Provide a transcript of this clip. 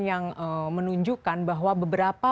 yang menunjukkan bahwa beberapa